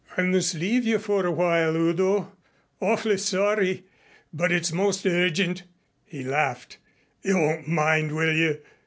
"I must leave you for a while, Udo. Awfully sorry, but it's most urgent." He laughed. "You won't mind, will you?